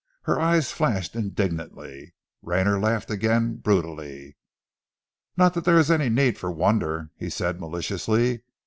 Her eyes flashed indignantly. Rayner laughed again brutally. "Not that there is any need for wonder," he said maliciously.